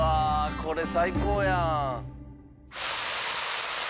これ最高やん！